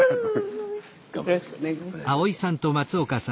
よろしくお願いします。